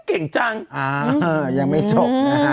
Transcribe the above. เก่งจัง